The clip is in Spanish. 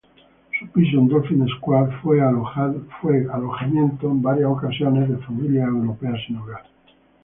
Su piso en Dolphin Square fue alojó en varias ocasiones familias europeas sin hogar.